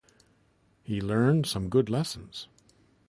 He learned some good lessons.